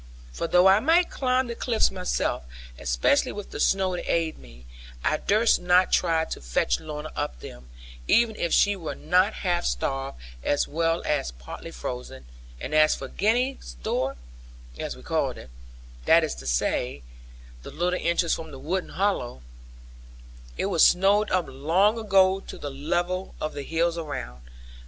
For though I might climb the cliffs myself, especially with the snow to aid me, I durst not try to fetch Lorna up them, even if she were not half starved, as well as partly frozen; and as for Gwenny's door, as we called it (that is to say, the little entrance from the wooded hollow), it was snowed up long ago to the level of the hills around.